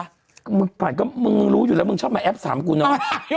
คือมึงป่ะก็มึงรู้อยู่แล้วมึงชอบแหม่แอบ๓กูน้อย